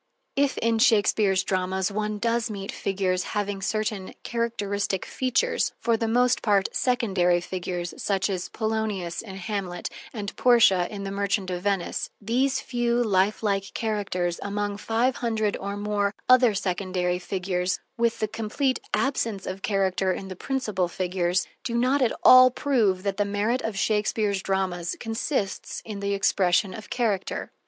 If in Shakespeare's dramas one does meet figures having certain characteristic features, for the most part secondary figures, such as Polonius in "Hamlet" and Portia in "The Merchant of Venice," these few lifelike characters among five hundred or more other secondary figures, with the complete absence of character in the principal figures, do not at all prove that the merit of Shakespeare's dramas consists in the expression of character.